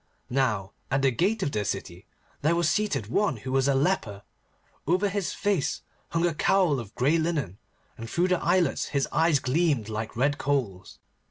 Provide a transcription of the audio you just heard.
Now at the gate of the city there was seated one who was a leper. Over his face hung a cowl of grey linen, and through the eyelets his eyes gleamed like red coals.